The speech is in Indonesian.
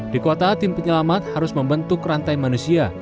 di kota tim penyelamat harus membentuk rantai manusia